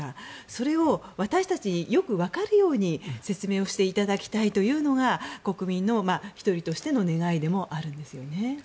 それを私たちによく分かるように説明をしていただきたいというのが国民の１人としての願いでもあるんですよね。